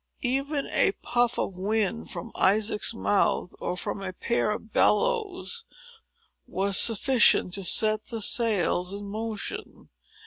Even a puff of wind from Isaac's mouth, or from a pair of bellows, was sufficient to set the sails in motion.